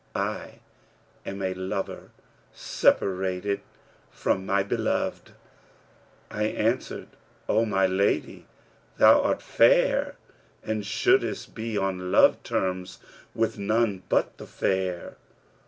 I am a lover separated from her beloved.' I answered, 'O my lady, thou art fair and shouldest be on love terms with none but the fair.